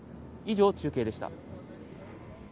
以上、中継でした。